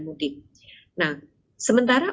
mudik nah sementara